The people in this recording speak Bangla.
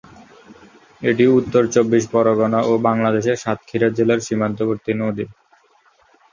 এটি উত্তর চব্বিশ পরগনা ও বাংলাদেশের সাতক্ষীরা জেলার সীমান্তবর্তী নদী।